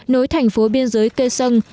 nối thành phố biên giới kaesong